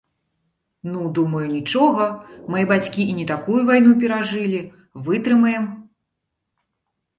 Ну, думаю, нічога, мае бацькі і не такую вайну перажылі, вытрымаем.